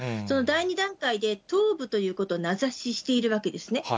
その第２段階で東部ということを名指ししているわけですね。